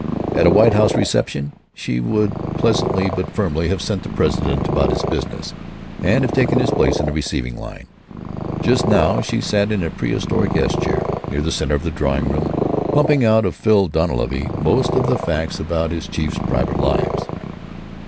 At a White House reception she would pleasantly but firmly have sent the President about his business, and have taken his place in the receiving line. Just now she sat in a pre historic S chair, near the center of the drawing room, pumping out of Phil Dunleavy most of the facts about his chiefs' private lives.